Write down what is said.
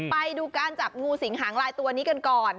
ไปดูการจับงูสิงหางลายตัวนี้กันก่อน